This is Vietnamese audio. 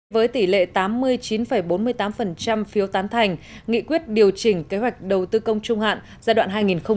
với tỷ lệ tám mươi chín bốn mươi tám phiếu tán thành nghị quyết điều chỉnh kế hoạch đầu tư công trung hạn giai đoạn hai nghìn một mươi sáu hai nghìn hai mươi